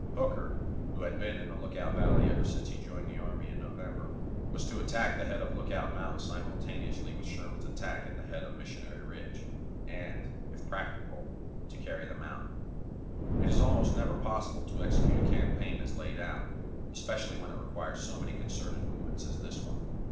Hooker, who had been in the Lookout Valley ever since he joined the army in November, was to attack the head of Lookout Mountain simultaneously with Sherman's attack at the head of Missionary Ridge, and, if practicable, to carry the mountain. It is almost never possible to execute a campaign as laid out, especially when it requires so many concerted movements as this one.